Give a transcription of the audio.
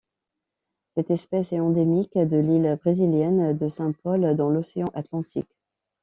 Cette espèce est endémique de l'île brésilienne de Saint-Paul dans l'océan Atlantique.